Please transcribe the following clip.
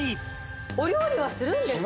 お料理はするんですか？